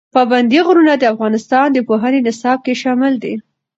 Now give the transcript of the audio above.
پابندی غرونه د افغانستان د پوهنې نصاب کې شامل دي.